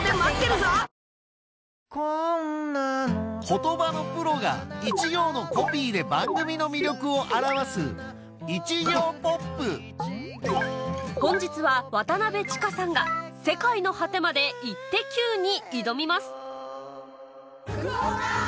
言葉のプロが一行のコピーで番組の魅力を表す本日は渡千佳さんが『世界の果てまでイッテＱ！』に挑みます福岡！